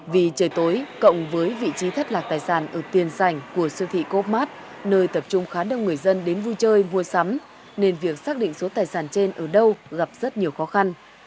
vì trời tối cộng với vị trí thất lạc tài sản ở tiền sảnh của siêu thị cô úc mát nơi tập trung khá đông người dân đến vui chơi vui sắm nên việc xác định số tài sản trên ở đâu gặp rất nhiều khó khăn